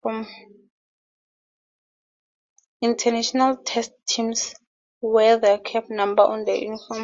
International Test teams wear their cap number on their uniform.